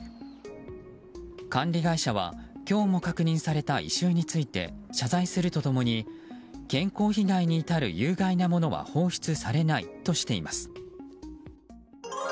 管理会社は今日も確認された異臭について謝罪すると共に健康被害に至る有害なものは放出されないとしています。